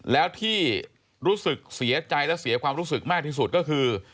แล้วที่รู้สึกเสียใจและเสียความรู้สึกมากที่สุดก็คือ